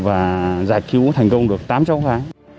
và giải cứu thành công được tám cháu phá